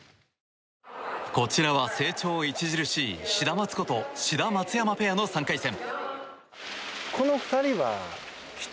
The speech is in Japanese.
こちらは成長著しいシダマツこと志田、松山ペアの３回戦。